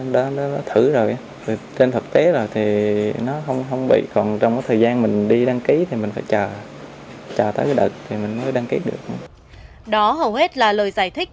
đó hầu hết là lời giải thích